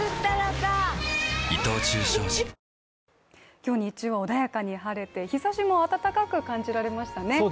今日、日中は穏やかに晴れて日ざしも暖かく感じられましたね。